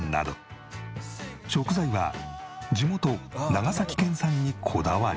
食材は地元長崎県産にこだわり。